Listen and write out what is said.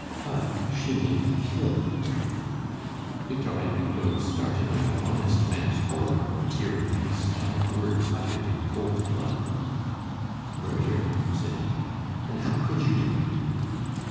But she may be killed " Victorin Hulot started with an honest man's horror at hearing these five words uttered in cold blood. "Murder?" said he. "And how could you do it?"